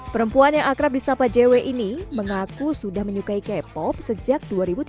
perempuan yang akrab di sapa jw ini mengaku sudah menyukai k pop sejak dua ribu tiga belas